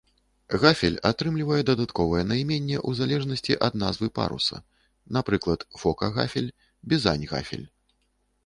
Гафель атрымлівае дадатковае найменне ў залежнасці ад назвы паруса, напрыклад, фока-гафель, бізань-гафель.